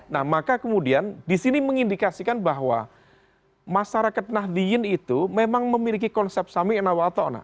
nah maka kemudian disini mengindikasikan bahwa masyarakat nahdien itu memang memiliki konsep sami enawal ta'ona